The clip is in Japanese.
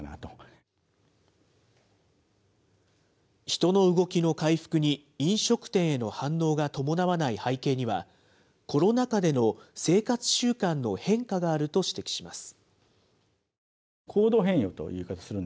人の動きの回復に、飲食店への反応が伴わない背景には、コロナ禍での生活習慣の変化があると指摘します。